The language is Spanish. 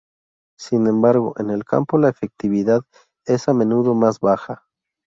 Sin embargo en el campo, la efectividad es a menudo más baja.